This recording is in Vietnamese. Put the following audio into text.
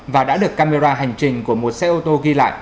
và đã được camera hành trình của một xe ô tô ghi lại